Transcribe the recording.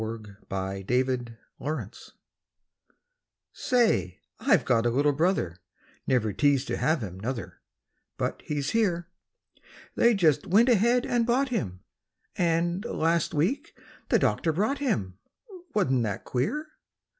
HIS NEW BROTHER Say, I've got a little brother, Never teased to have him, nuther, But he's here; They just went ahead and bought him, And, last week the doctor brought him, Wa'n't that queer?